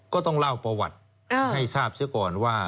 ก็ต้องเล่าประวัติให้ทราบเสียก่อนว่า